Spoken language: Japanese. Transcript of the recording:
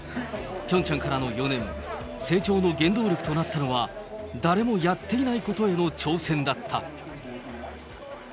ピョンチャンからの４年、成長の原動力となったのは、誰もやっていないことへの挑戦だった。